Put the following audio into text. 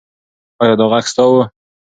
ایا دا غږ ستا و؟